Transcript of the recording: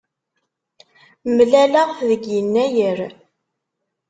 Mlaleɣ-t deg yennayer.